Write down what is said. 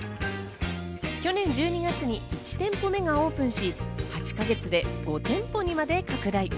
去年１２月に１店舗目がオープンし８か月で５店舗にまで拡大。